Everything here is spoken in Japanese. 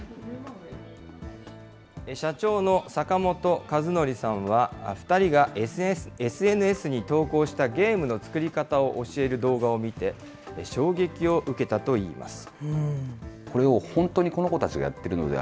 社長の坂本和則さんは、２人がＳＮＳに投稿したゲームの作り方を教える動画を見て、衝撃を受けたといいます。